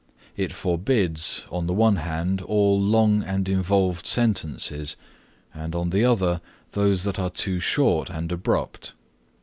It forbids, on the one hand, all long and involved sentences, and, on the other, those that are too short and abrupt.